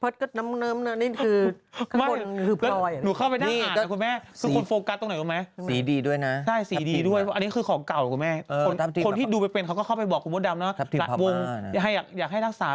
อยากให้รักษาไพรินไว้ดีอยากให้รักษาไพรินไพรินหายากแล้ว